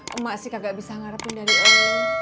ya emak sih kagak bisa ngarepin dari emak